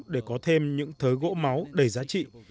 để có thêm những thới gỗ máu đầy giá trị